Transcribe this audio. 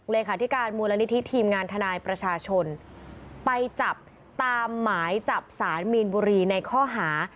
เลขาธิการมูลนิธิทีมงานทนายประชาชนไปจับตามหมายจับสารมีนบุรีในข้อหา